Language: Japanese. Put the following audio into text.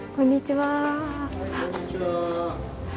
はいこんにちは。